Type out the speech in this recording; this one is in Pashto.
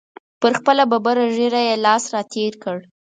پر خپله ببره ږیره یې لاس را تېر کړ.